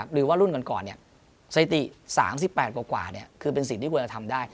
หรือว่ารุ่นก่อนสถิติ๓๘กว่าคือเป็นสิ่งที่ควรจะทำได้